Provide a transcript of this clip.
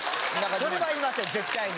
それはいません絶対に。